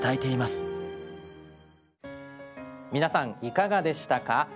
皆さんいかがでしたか？